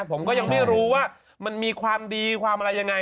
ผมก็ยังไม่รู้ว่ามันมีความดีความอะไรยังไง